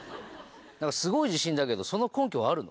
何かすごい自信だけどその根拠はあるの？